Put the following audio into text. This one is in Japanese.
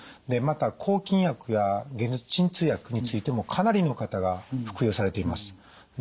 また抗菌薬や解熱鎮痛薬についてもかなりの方が服用されています。